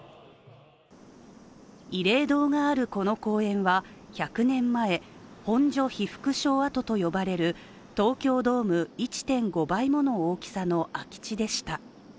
慰霊堂があるこの公園は１００年前、本所被服廠跡と呼ばれる東京ドーム１．５倍もの大きさの空き地でした。